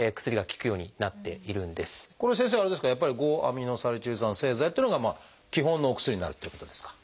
これは先生あれですかやっぱり５−アミノサリチル酸製剤っていうのが基本のお薬になるっていうことですか？